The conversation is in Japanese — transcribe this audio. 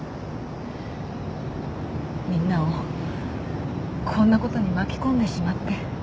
みんなをこんなことに巻き込んでしまって。